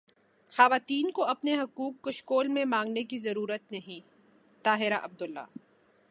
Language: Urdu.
خواتین کو اپنے حقوق کشکول میں مانگنے کی ضرورت نہیں طاہرہ عبداللہ